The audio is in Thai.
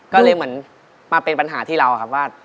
ก็เลยเหมือนมาเป็นปัญหาที่เราครับว่า